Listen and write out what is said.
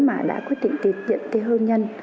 mà đã quyết định tiền tiền hôn nhân